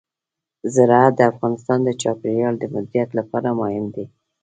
زراعت د افغانستان د چاپیریال د مدیریت لپاره مهم دي.